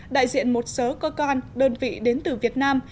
đại diện một số cơ quan đơn vị đến từ việt nam